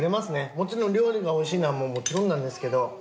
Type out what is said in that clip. もちろん料理がおいしいのはもちろんなんですけど。